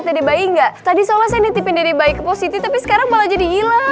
mau lihat dd bayi enggak tadi soalnya saya nitipin dd baik posisi tapi sekarang malah jadi hilang